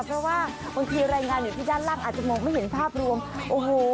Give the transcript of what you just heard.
เพราะว่าบางทีรายงานอยู่ที่ด้านล่างอาจจะมองไม่เห็นภาพรวมโอ้โห